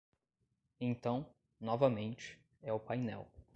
Então, novamente, é o painel